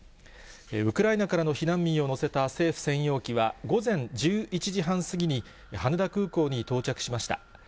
ウクライナからの避難民を乗せた政府専用機は午前１１時半過ぎに、羽田空港に到着しました。